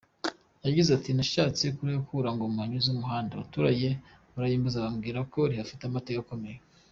Yagize ati “Nashatse kurihakura ngo mpanyuze umuhanda abaturage barabimbuza bambwira ko rihafite amateka akomeye.